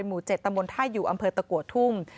หมู่เจ็ดตะมนต์ไทยอยู่อำเภอตะกวดทุ่ม